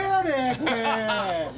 これ。